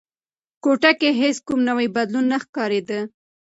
کوټه کې هیڅ کوم نوی بدلون نه ښکارېده.